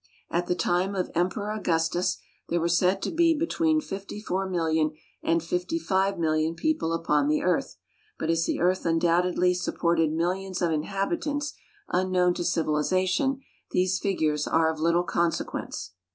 At the time of Emperor Augustus, there were said to be between 54,000,000 and 55,000,000 people upon the earth, but as the earth undoubtedly supported millions of inhabitants unknown to civilization, these figures are of little consequence.